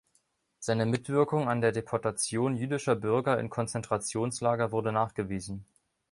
Seine Mitwirkung an der Deportation jüdischer Bürger in Konzentrationslager wurde nachgewiesen.